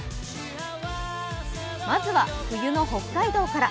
まずは冬の北海道から。